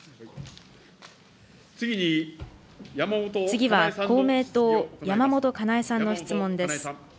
次は公明党、山本香苗さんの質問です。